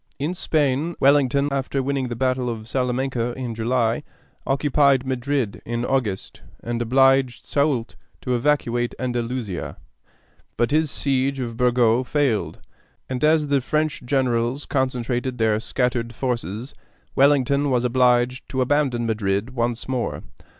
In Spain Wellington, after winning the battle of Salamanca in July, occupied Madrid in August, and obliged Soult to evacuate Andalusia; but his siege of Burgos failed, and as the French generals concentrated their scattered forces, Wellington was obliged to abandon Madrid once more.